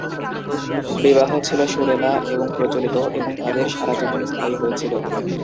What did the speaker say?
বিবাহ ছিল সুরেলা এবং প্রচলিত এবং তাদের সারা জীবন স্থায়ী হয়েছিল।